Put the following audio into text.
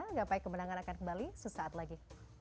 gapai kemenangan akan kembali sesaat lagi